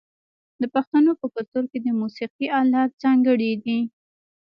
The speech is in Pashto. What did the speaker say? د پښتنو په کلتور کې د موسیقۍ الات ځانګړي دي.